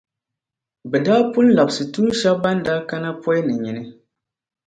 Bɛ daa pun labsi tuun’ shεba ban daa kana pɔi ni nyini.